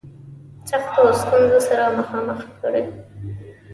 سختو ستونزو سره مخامخ کړي.